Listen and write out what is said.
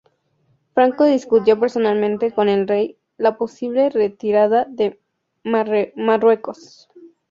Franco discutió personalmente con el rey la posible retirada de Marruecos.